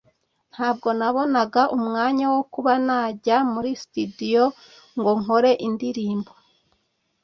ntabwo nabonaga umwanya wo kuba nanjya muri studio ngo nkore indirimbo